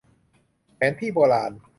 แผนที่โบราณ